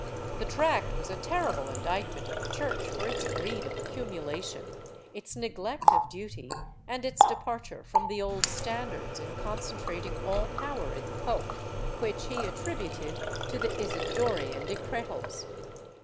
The tract was a terrible indictment of the Church for its greed of accumulation, its neglect of duty and its departure from the old standards in concentrating all power in the pope, which he attributed to the Isidorian Decretals.